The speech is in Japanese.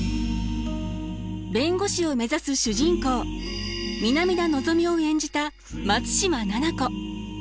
弁護士を目指す主人公南田のぞみを演じた松嶋菜々子。